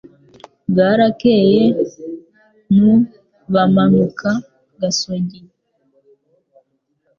Bwarakeye nu bamanuka Gasogi